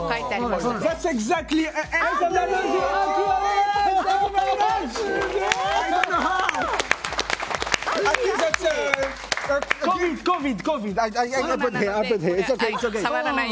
すごい。